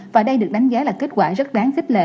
và đây được đánh giá là kết quả rất đáng khích lệ